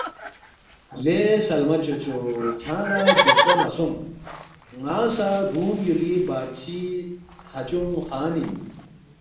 ”لے سلمہ چوچو کھیانگ لہ گیودپہ مہ سونگ، ن٘انگ سہ رُوم یُولی بادشی تھہ چُونگ خان اِن